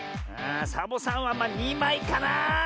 サボさんはまあ２まいかなあ。